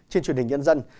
trên truyền hình nhân dân